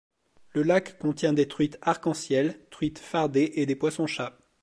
Le lac contient des truites arc-en-ciel, truites fardées et des poissons-chat.